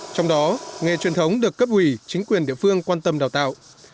trong đó nghề truyền thống được cấp ủy chính quyền địa phương quan tâm đào tạo